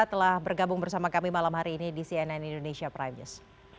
telah bergabung bersama kami malam hari ini di cnn indonesia prime news